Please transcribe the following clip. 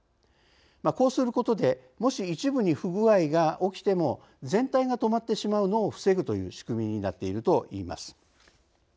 こうすることでもし一部に不具合が起きても全体が止まってしまうのを防ぐという仕組みになっているといいます。